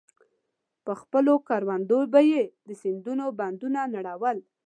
خو پر خپلو کروندو به يې د سيندونو بندونه نړول.